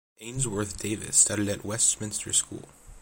Ainsworth-Davis studied at Westminster School.